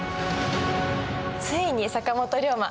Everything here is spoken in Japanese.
ついに坂本龍馬。